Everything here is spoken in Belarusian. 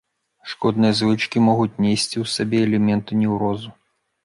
Шкодныя звычкі могуць несці ў сабе элементы неўрозу.